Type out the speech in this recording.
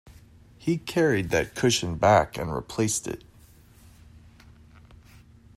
He carried that cushion back and replaced it.